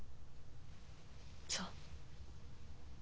そう。